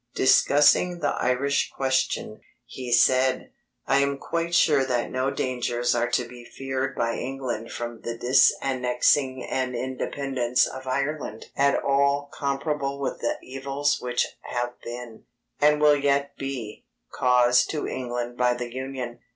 Discussing the Irish question, he said: I am quite sure that no dangers are to be feared by England from the disannexing and independence of Ireland at all comparable with the evils which have been, and will yet be, caused to England by the Union.